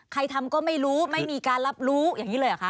ใครทำก็ไม่รู้ไม่มีการรับรู้อย่างนี้เลยเหรอคะ